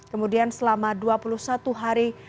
kemudian selama dua puluh satu hari